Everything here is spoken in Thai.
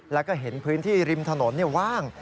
แล้วก็เห็นพื้นที่ริมถนนว่าง